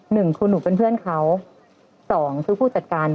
หนึ่งคือหนูเป็นเพื่อนเขาสองคือผู้จัดการ